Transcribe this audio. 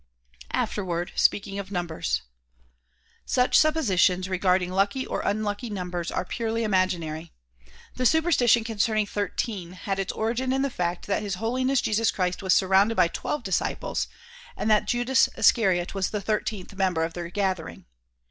Afterward, speakmg of numbers. Such suppositions regarding lucky or unlucky numbers are purely imaginary. The superstition concerning thirteen had its origin in the fact that His Holiness Jesus Christ was surrounded by twelve disciples and that Judas Iscariot was the thirteenth member of their gathering.